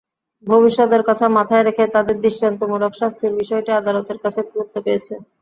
ভবিষ্যতের কথা মাথায় রেখে তাঁদের দৃষ্টান্তমূলক শাস্তির বিষয়টি আদালতের কাছে গুরুত্ব পেয়েছে।